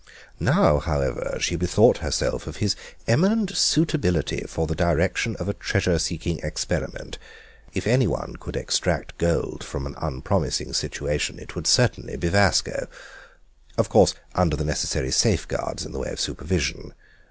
Now, however, she bethought herself of his eminent suitability for the direction of a treasure seeking experiment; if anyone could extract gold from an unpromising situation it would certainly be Vasco—of course, under the necessary safeguards in the way of supervision.